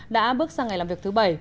đã bước sang ngày làm việc thứ bảy